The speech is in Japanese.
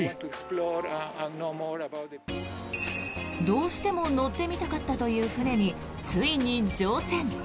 どうしても乗ってみたかったという船についに乗船。